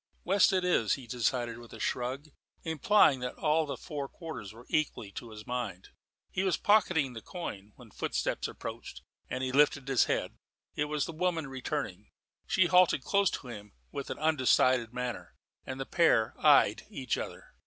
"West it is," he decided with a shrug, implying that all the four quarters were equally to his mind. He was pocketing the coin, when footsteps approached, and he lifted his head. It was the woman returning. She halted close to him with an undecided manner, and the pair eyed each other.